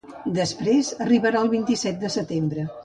Després, arribarà el vint-i-set de setembre.